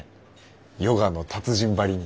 ヨガの達人ばりに。